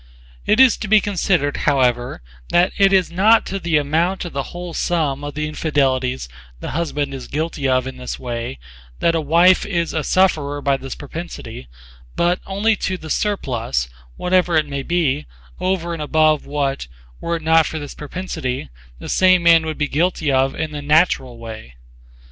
It is to be considered however that it is [not] to the amount of the whole sum of the infidelities the husband is guilty of in this way that a wife is a sufferer by this propensity but only to the surplus, whatever it may be, over and above what, were it not for this propensity, the same man would be guilty of in the natural way.